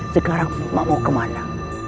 sekarang ma mau kemana